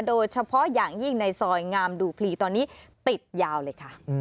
โดยเฉพาะอย่างยิ่งในซอยงามดูพลีตอนนี้ติดยาวเลยค่ะ